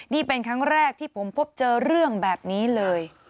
นี่เป็นครั้งแรกที่ผมพบเจอเรื่องแบบนี้เลย